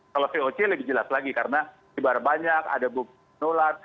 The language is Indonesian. kalau voc lebih jelas lagi karena ibarat banyak ada bukti penularan